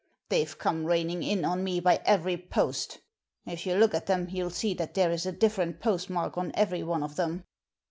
They've come raining in on me by every post — if you look at them you'll see that there is a different postmark on every one of them."